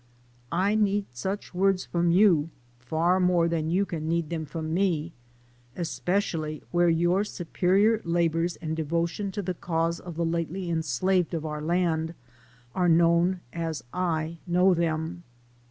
I need such words from you far more than you can need them from me, especially where your superior labors and 'devotion to the cause of the lately enslaved of our land are known as I know them.